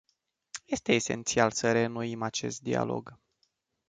Este esențial să reînnoim acest dialog.